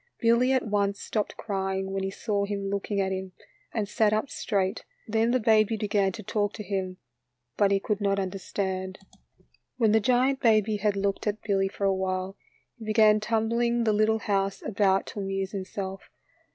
Billy at once stopped crying when he saw him looking at him, and sat up straight. Then the baby began to talk to him, but he could not understand. When the giant baby had looked at Billy for awhile, he began tumbling; the little house about to amuse himself.